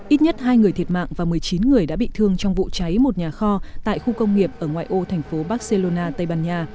ít nhất hai người thiệt mạng và một mươi chín người đã bị thương trong vụ cháy một nhà kho tại khu công nghiệp ở ngoại ô thành phố barcelona tây ban nha